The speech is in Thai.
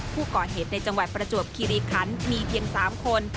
ผู้ก่อเหตุในจังหวัดประจวบคิริคันมีเพียง๓คน